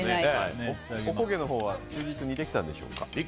おこげのほうは忠実にできたんでしょうか。